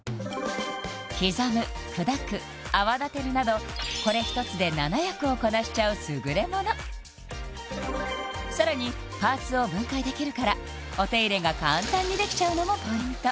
刻む砕く泡立てるなどこれ一つで７役をこなしちゃう優れものさらにパーツを分解できるからお手入れが簡単にできちゃうのもポイント